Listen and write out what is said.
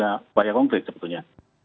upaya konkret sebetulnya